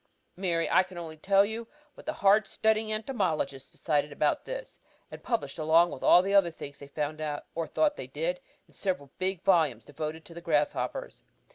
"Mary, I can only tell you what the hard studying entomologists decided about this, and published along with all the other things they found out, or thought they did, in several big volumes devoted to the grasshoppers.